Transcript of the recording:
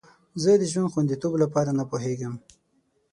زه د ژوند خوندیتوب لپاره نه پوهیږم.